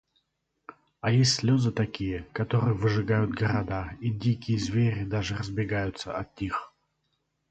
А есть слёзы такие, которые «выжигают города, и дикие звери даже разбегаются» от них.